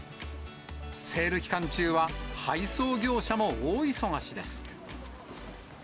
セール期間中は配送業者も大忙しです。